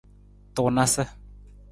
Tunasa.